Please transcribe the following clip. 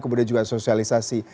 kemudian juga sosialisasi